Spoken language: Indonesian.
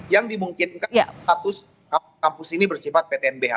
yang dimungkinkan status kampus ini bersifat ptnbh